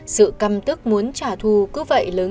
sự căm tức muốn trả thu cứ vậy lớn